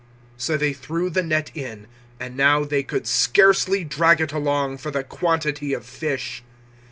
So they threw the net in, and now they could scarcely drag it along for the quantity of fish.